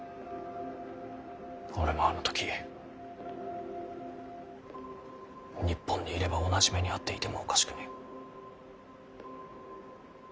俺もあの時日本にいれば同じ目に遭っていてもおかしくねぇ。